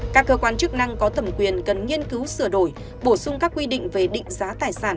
các cơ quan chức năng có thẩm quyền cần nghiên cứu sửa đổi bổ sung các quy định về định giá tài sản